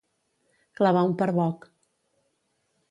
Clavar un perboc.